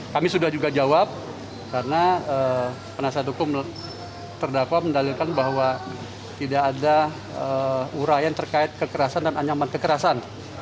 kami sudah juga jawab karena penasihat hukum terdakwa mendalilkan bahwa tidak ada urayan terkait kekerasan dan anyaman kekerasan